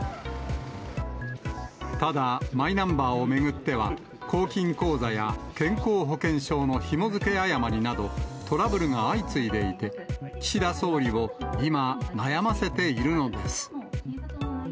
ただマイナンバーを巡っては、公金口座や健康保険証のひも付け誤りなど、トラブルが相次いでいて、岸田総理を今、悩ませているのです。